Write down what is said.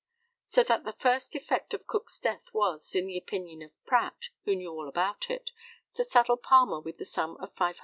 So that the first effect of Cook's death was, in the opinion of Pratt, who knew all about it, to saddle Palmer with the sum of £500.